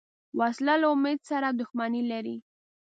وسله له امید سره دښمني لري